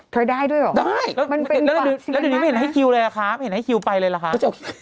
เธอได้ด้วยหรอมันเป็นขวังแล้วนะได้แล้วเดี๋ยวนี้ไม่เห็นมาให้คิวเลยหรือค้า